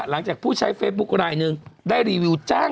แล้วเจ็บน่ะฮะ